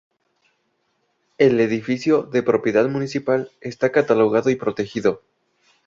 El edificio, de propiedad municipal, está catalogado y protegido.